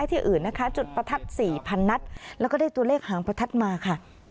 ที่อื่นนะคะจุดประทัดสี่พันนัดแล้วก็ได้ตัวเลขหางประทัดมาค่ะ